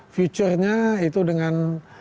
future nya itu dengan